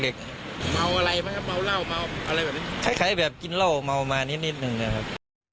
เมาอะไรไหมครับเมาเหล้าเมาอะไรแบบนี้คล้ายแบบกินเหล้าเมามานิดหนึ่งนะครับ